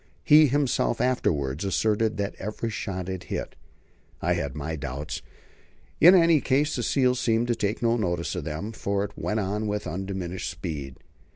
He himself afterwards asserted that every shot had hit. I had my doubts. In any case the seal seemed to take no notice of them, for it went on with undiminished speed.